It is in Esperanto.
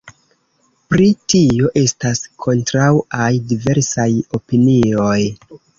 Pri tio estas kontraŭaj diversaj opinioj.